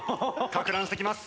攪乱してきます。